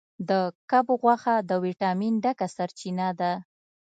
د کب غوښه د ویټامین ډکه سرچینه ده.